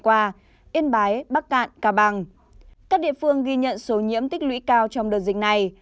các địa phương ghi nhận số nhiễm tích lũy cao trong đợt dịch này